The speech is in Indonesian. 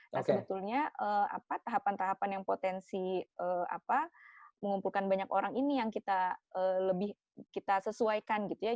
nah sebetulnya tahapan tahapan yang potensi mengumpulkan banyak orang ini yang kita lebih kita sesuaikan gitu ya